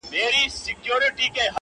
• څوک ده چي راګوري دا و چاته مخامخ يمه_